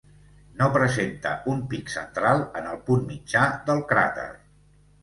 No presenta un pic central en el punt mitjà del cràter.